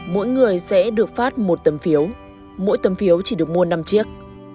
mỗi người sẽ được phát một tấm phiếu mỗi tấm phiếu chỉ được mua năm chiếc